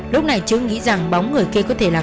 lúc này chứ nghĩ rằng bóng người kia